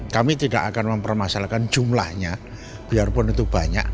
kami tidak akan mempermasalahkan jumlahnya biarpun itu banyak